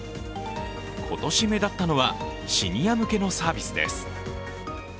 今年目立ったのはシニア向けのサービスです。